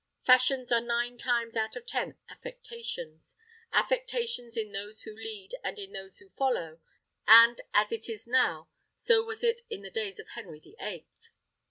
Fashions are nine times out of ten affectations; affectations in those who lead and in those who follow; and as it is now, so was it in the days of Henry the Eighth.